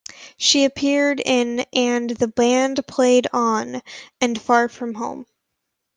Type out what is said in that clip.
She appeared in "And the Band Played On" and "Far from Home".